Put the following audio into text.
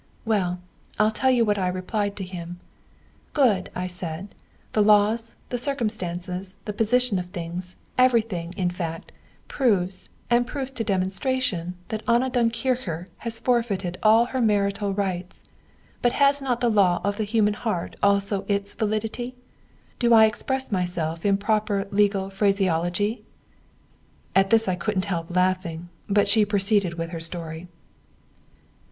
"Well, I'll tell you what I replied to him. 'Good!' I said, 'the laws, the circumstances, the position of things, everything, in fact, proves and proves to demonstration that Anna Dunkircher has forfeited all her marital rights; but has not the law of the human heart also its validity? Do I express myself in proper legal phraseology?'" At this I couldn't help laughing, but she proceeded with her story.